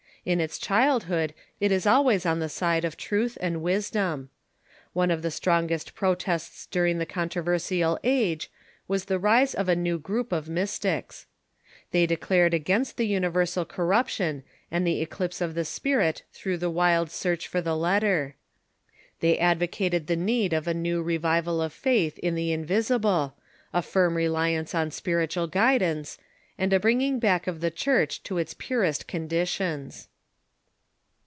In its childhood it is always on the side of truth and wisdom. One of the strong est protests during the controversial age was the rise of a new group of Mystics. They declared against the universal cor ruption and the eclipse of the spirit through the wild search for the letter. They advocated the need of a new revival of faith in the invisible, a firm reliance on spiritual guidance, and a bringing back of the Church to its purest conditions.